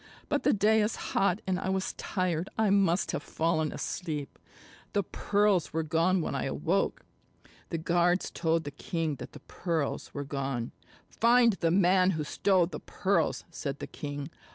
But the day is hot, and I was tired. I must have fallen asleep. The pearls were gone when I awoke." The guards told the king that the pearls were gone. "Find the man who stole the pearls," said the king.